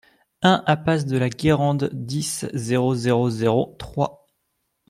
un impasse de la Guerarde, dix, zéro zéro zéro, Troyes